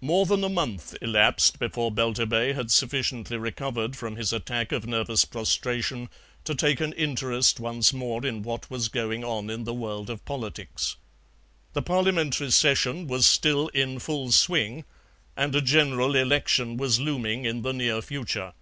More than a month elapsed before Belturbet had sufficiently recovered from his attack of nervous prostration to take an interest once more in what was going on in the world of politics. The Parliamentary Session was still in full swing, and a General Election was looming in the near future.